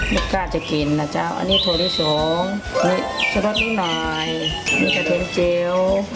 ไม่กล้าจะกินนะจ้าวอันนี้โทรโศงจะรับนิดหน่อยนี้เกถิงจี้ว